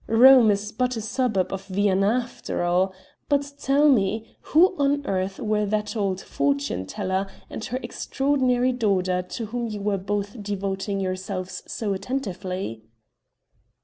"Rome is but a suburb of Vienna after all! But tell me, who on earth were that old fortune teller and her extraordinary daughter to whom you were both devoting yourselves so attentively?"